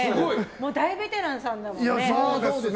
大ベテランさんだもんね。